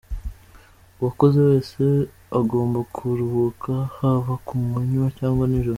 Uwakoze wese agomba kuruhuka, haba ku manywa cyangwa nijoro.